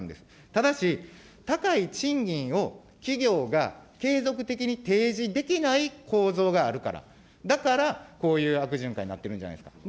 ただし、高い賃金を企業が継続的に提示できない構造があるから、だから、こういう悪循環になってるんじゃないですか。